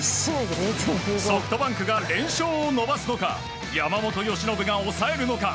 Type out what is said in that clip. ソフトバンクが連勝を伸ばすのか山本由伸が抑えるのか。